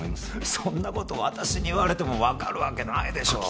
そんなこと私に言われても分かるわけないでしょう？